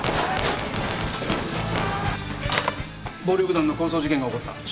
暴力団の抗争事件が起こった。